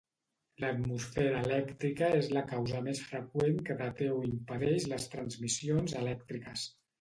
L'atmosfera elèctrica és la causa més freqüent que deté o impedeix les transmissions elèctriques.